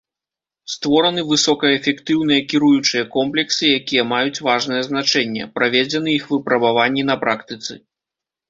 Створаны высокаэфектыўныя кіруючыя комплексы, якія маюць важнае значэнне, праведзены іх выпрабаванні на практыцы.